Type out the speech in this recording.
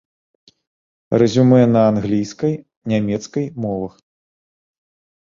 Рэзюмэ на англійскай, нямецкай мовах.